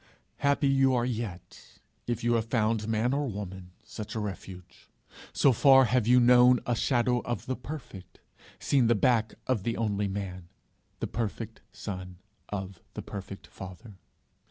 Happy you are yet, if you have found man or woman such a refuge; so far have you known a shadow of the perfect, seen the back of the only man, the perfect Son of the perfect Father.